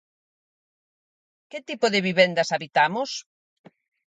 Que tipo de vivendas habitamos?